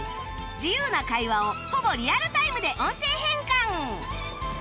自由な会話をほぼリアルタイムで音声変換